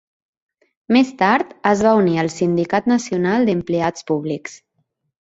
Més tard es va unir al Sindicat Nacional d'Empleats Públics.